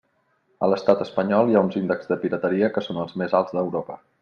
A l'estat espanyol hi ha uns índexs de pirateria que són els més alts d'Europa.